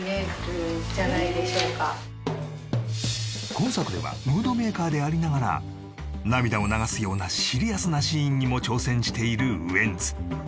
今作ではムードメーカーでありながら涙を流すようなシリアスなシーンにも挑戦しているウエンツ